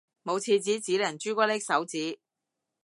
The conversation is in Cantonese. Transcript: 冇廁紙只能朱古力手指